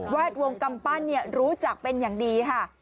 แวดวงกำปั้นเนี่ยรู้จักเป็นอย่างดีค่ะ